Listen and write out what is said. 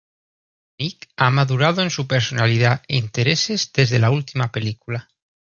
Nick ha madurado en su personalidad e intereses desde la última película.